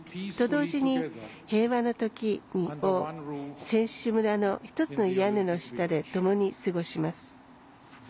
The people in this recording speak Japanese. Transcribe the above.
と同時に、平和のときを選手村のひとつの屋根の下でともに過ごします。